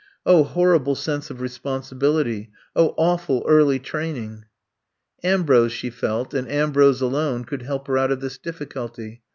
Oh, horrible sense of responsibility— oh, awful early training !'' Ambrose, she felt, and Ambrose alone, could help her out of this difficulty.